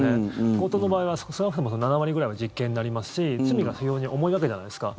強盗の場合は少なくとも７割ぐらいは実刑になりますし、罪が非常に重いわけじゃないですか。